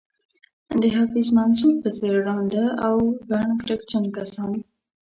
د حفیظ منصور په څېر ړانده او کڼ کرکجن کسان.